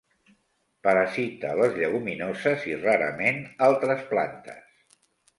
Parasita les lleguminoses i rarament altres plantes.